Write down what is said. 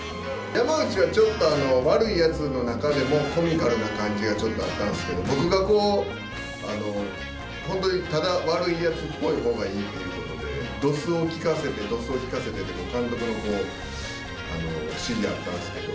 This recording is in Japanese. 山内はちょっと悪いやつの中でも、コミカルな感じがちょっとあったんですけど、僕が本当にただ悪いやつっぽいほうがいいっていうことで、ドスをきかせて、ドスをきかせてって監督の指示あったんですけど。